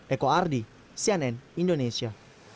eko ardi cnn indonesia